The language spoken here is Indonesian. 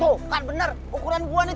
tuh kan bener ukuran gua nih